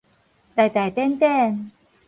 大大典典